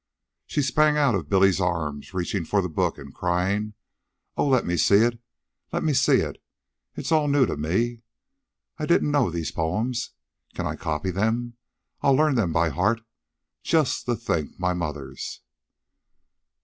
She sprang out of Billy's arms, reaching for the book and crying: "Oh, let me see it! Let me see it! It's all new to me. I don't know these poems. Can I copy them? I'll learn them by heart. Just to think, my mother's!"